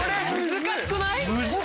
難しくない